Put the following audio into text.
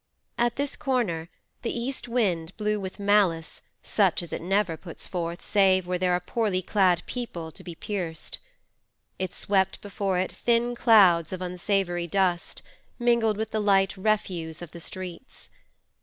At this corner the east wind blew with malice such as it never puts forth save where there are poorly clad people to be pierced; it swept before it thin clouds of unsavoury dust, mingled with the light refuse of the streets.